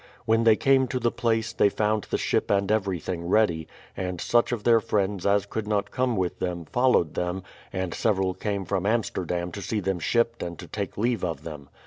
When they came to the place, they found the ship and everything ready, and such of their friends as could not come with them followed them, and several came from Amsterdam to see them shipped and to take leave of 49 60 BRADFORD'S HISTORY OF them.